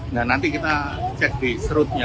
nah nanti kita cek di serutnya